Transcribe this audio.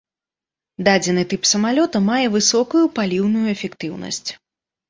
Дадзены тып самалёта мае высокую паліўную эфектыўнасць.